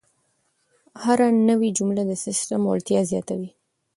هره نوې جمله د سیسټم وړتیا زیاتوي.